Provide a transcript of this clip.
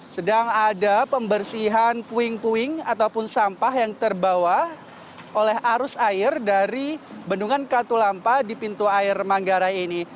sedang ada pembersihan puing puing ataupun sampah yang terbawa oleh arus air dari bendungan katulampa di pintu air manggarai ini